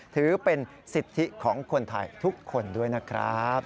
ถือเป็นสิทธิของคนไทยทุกคนด้วยนะครับ